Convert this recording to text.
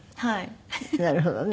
なるほどね。